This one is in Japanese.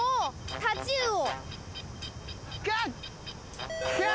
タチウオ。